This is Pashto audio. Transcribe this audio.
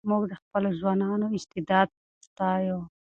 موږ د خپلو ځوانانو استعدادونه ستایو.